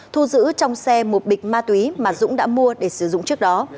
thu giữ trong xe một bịch ma túy mà dũng đã mua để sử dụng trước đó